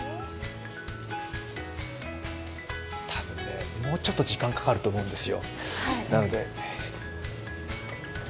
多分ね、もうちょっと時間がかかると思うんですよ。